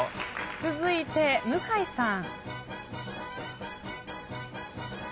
続いて向井さん。